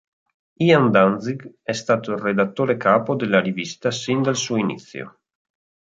Ian Danzig è stato il redattore capo della rivista sin dal suo inizio.